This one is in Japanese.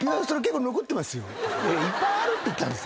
いっぱいあるって言ったんです。